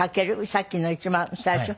さっきの一番最初？